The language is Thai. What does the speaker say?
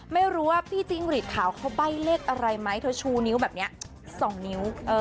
ไม่รู้ว่าพี่จิ้งหรีดขาวเขาใบ้เลขอะไรไหมเธอชูนิ้วแบบนี้๒นิ้ว